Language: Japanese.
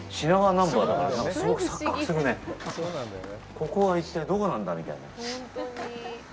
ここは一体どこなんだ？みたいな。